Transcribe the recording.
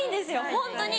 ホントに。